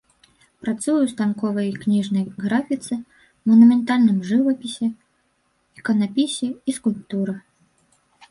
Працуе ў станковай і кніжнай графіцы, манументальным жывапісе, іканапісе і скульптуры.